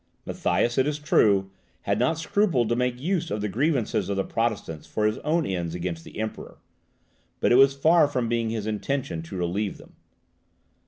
Matthias, it is true, had not scrupled to make use of the grievances of the Protestants for his own ends against the Emperor; but it was far from being his intention to relieve them.